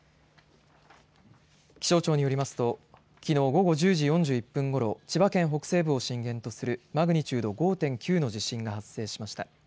気象庁によりますときのう午後１０時４１分ごろ千葉県北西部を震源とするマグニチュード５．９の地震が発生しました。